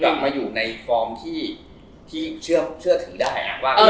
กลับมาอยู่ในฟอร์มที่เชื่อถือได้ว่า